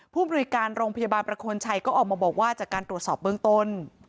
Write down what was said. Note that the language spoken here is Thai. มนุยการโรงพยาบาลประโคนชัยก็ออกมาบอกว่าจากการตรวจสอบเบื้องต้น